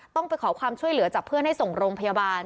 ต้องไปขอความช่วยเหลือจากเพื่อนให้ส่งโรงพยาบาล